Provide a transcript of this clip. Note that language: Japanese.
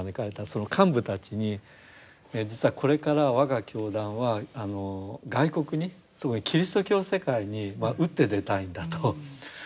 その幹部たちにえ実はこれから我が教団は外国にすごいキリスト教世界に打って出たいんだと。